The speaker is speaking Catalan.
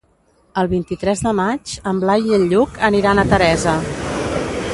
El vint-i-tres de maig en Blai i en Lluc aniran a Teresa.